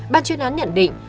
bàn chuyên án nhận định